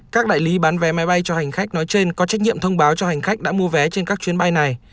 các đại lý bán vé máy bay cho hành khách nói trên có trách nhiệm thông báo cho hành khách đã mua vé trên các chuyến bay này